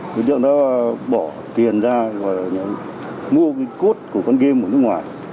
đối tượng đó bỏ tiền ra và mua cái cốt của con game ở nước ngoài